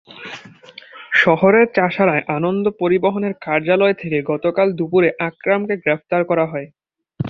শহরের চাষাঢ়ায় আনন্দ পরিবহনের কার্যালয় থেকে গতকাল দুপুরে আকরামকে গ্রেপ্তার করা হয়।